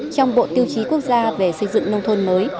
trong bộ tiêu chí quốc gia về xây dựng nông thôn mới